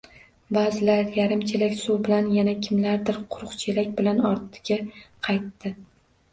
Baʼzilar yarim chelak suv bilan, yana kimlardir quruq chelak bilan ortiga qaytdi.